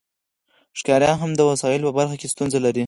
ښکاریان هم د وسایلو په برخه کې ستونزې لري